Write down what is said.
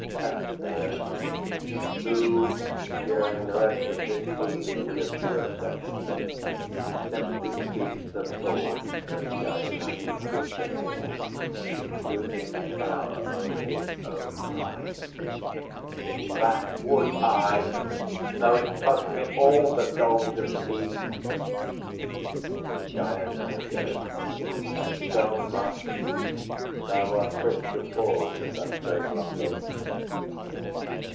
PENTHEUS (who during the rest of this scene, with a few exceptions, simply speaks the thoughts that DIONYSUS puts into him, losing power over his own mind). That would I, though it cost me all The gold of Thebes! DIONYSUS. So much? Thou art quick to fall To such great longing.